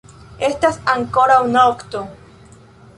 Estas ankoraŭ nokto.